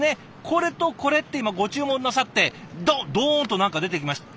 これとこれって今ご注文なさってドッドーンと何か出てきました。